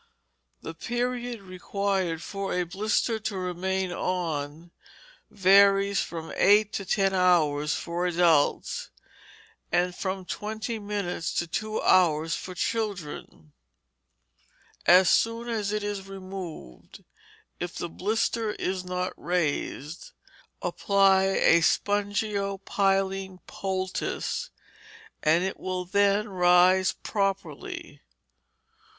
The period required for a blister to remain on varies from eight to ten hours for adults, and from twenty minutes to two hours for children: as soon as it is removed, if the blister is not raised, apply a "spongio piline" poultice, and it will then rise properly.